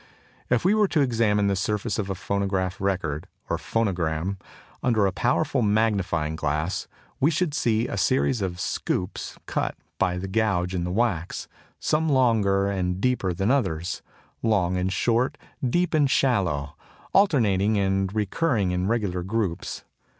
If we were to examine the surface of a phonograph record (or phonogram) under a powerful magnifying glass we should see a series of scoops cut by the gouge in the wax, some longer and deeper than others, long and short, deep and shallow, alternating and recurring in regular groups.